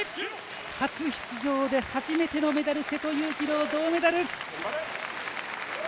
初出場で初めてのメダル瀬戸勇次郎、銅メダル！